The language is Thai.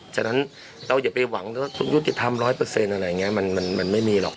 ฉะนั้นเราอย่าไปหวังว่ายุติธรรม๑๐๐อะไรอย่างนี้มันไม่มีหรอก